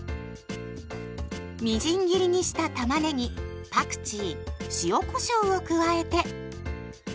みじん切りにしたたまねぎパクチー塩こしょうを加えて。